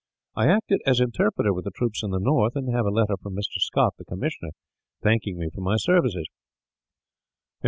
I acted as interpreter with the troops in the north, and have a letter from Mr. Scott, the commissioner, thanking me for my services."